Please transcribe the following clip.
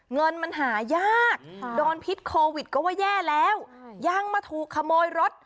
เงินมันหายากโดนพิษโควิดก็ว่าแย่แล้วยังมาถูกขโมยรถ